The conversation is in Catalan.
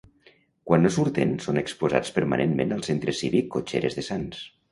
Quan no surten són exposats permanentment al centre cívic Cotxeres de Sants.